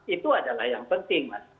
itu adalah yang penting